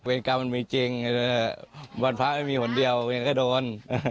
เวรกรรมมันมีจริงวันพระไม่มีหน่อยเพียงแค่โดน